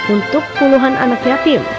untuk puluhan anaknya